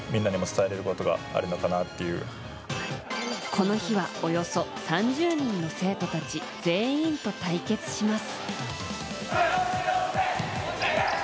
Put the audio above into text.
この日は、およそ３０人の生徒たち全員と対決します。